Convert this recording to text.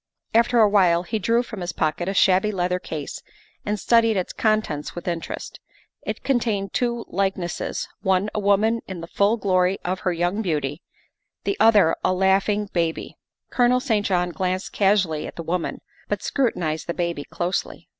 After a while he drew from his pocket a shabby leather case and studied its contents with interest. It contained two like nesses one a woman in the full glory of her young beauty, the other a laughing baby. Colonel St. John glanced casually at the woman, but scrutinized the baby closely.